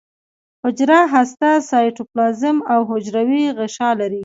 حجره هسته سایتوپلازم او حجروي غشا لري